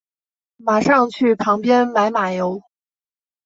马上去旁边买马油